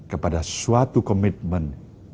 kepada suatu komitmen